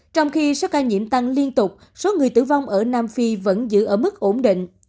trong khi số ca nhiễm tăng liên tục số người tử vong ở nam phi vẫn giữ ở mức ổn định